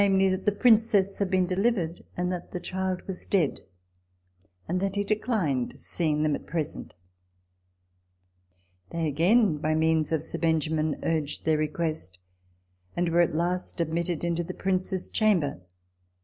that the Princess had been delivered, and that the child was dead, and that he declined seeing them at present. They again, by means of Sir Benjamin, urged their request ; and were at last 208 RECOLLECTIONS OF THE admitted into the Prince's chamber.